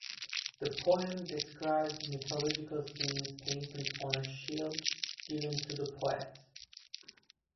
The poem describes mythological scenes painted on a shield given to the poet.